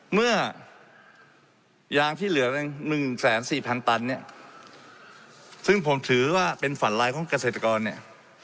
เมื่อยางที่เหลือหนึ่งแสนสี่พันตันเนี่ยซึ่งผมถือว่าเป็นฝันร้ายของเกษตรกรเนี่ย